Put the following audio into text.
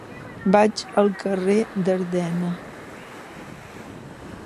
Vaig al carrer d'Ardena.